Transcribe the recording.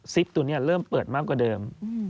ตัวนี้เริ่มเปิดมากกว่าเดิม